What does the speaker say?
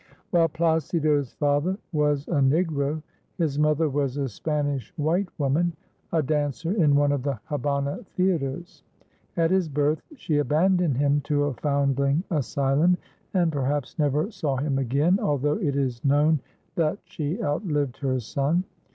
While Plácido's father was a Negro, his mother was a Spanish white woman, a dancer in one of the Habana theatres. At his birth she abandoned him to a foundling asylum, and perhaps never saw him again, although it is known that she outlived her son.